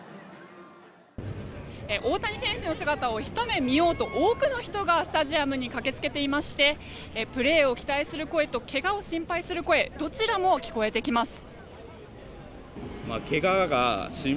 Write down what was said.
大谷選手の姿をひと目見ようと多くの人がスタジアムに駆けつけていましてプレーを期待する声と怪我を心配する声どちらも聞こえてきます。